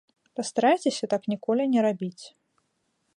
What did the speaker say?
Пастарайцеся так ніколі не рабіць.